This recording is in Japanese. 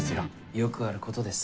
よくあることです